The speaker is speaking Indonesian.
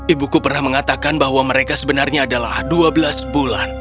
ibuku pernah mengatakan bahwa mereka sebenarnya adalah dua belas bulan